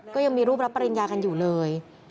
ก็ยังมีรูปรับปริญญากันอยู่เลย